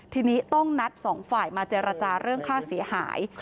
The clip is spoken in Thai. ทีนี้ต้องนัดสองฝ่ายมาเจรจาเรื่องค่าเสียหาย